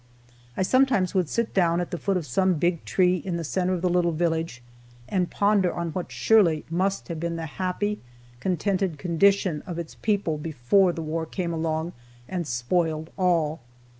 I sometimes would sit down at the foot of some big tree in the center of the little village, and ponder on what surely must have been the happy, contented condition of its people before the war came along and spoiled all.